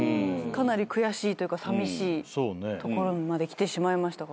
かなり悔しいというかさみしいところまできてしまいましたが。